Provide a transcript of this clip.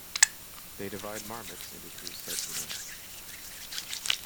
They divide marmots into two subgenera.